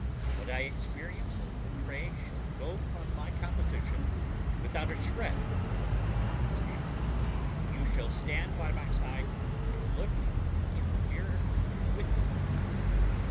What I experience or portray shall go from my composition without a shred of my composition. You shall stand by my side and look in the mirror with me.